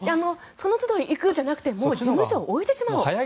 そのつど行くんじゃなくてもう事務所を置いてしまおうと。